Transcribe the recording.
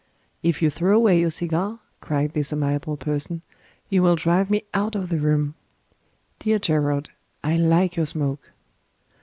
"If you throw away your cigar," cried this amiable person, "you will drive me out of the room. Dear Gerard, I like your smoke."